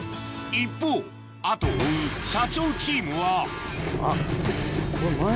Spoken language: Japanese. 一方後を追う社長チームはあっ前。